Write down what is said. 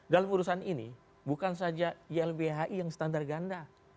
dalam urusan ini bukan saja ylbhi yang standar ganda